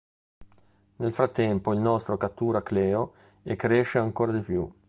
Nel frattempo il nostro cattura Cleo e cresce ancora di più.